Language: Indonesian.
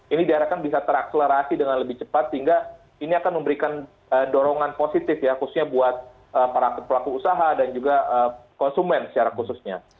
ini diharapkan bisa terakselerasi dengan lebih cepat sehingga ini akan memberikan dorongan positif ya khususnya buat para pelaku usaha dan juga konsumen secara khususnya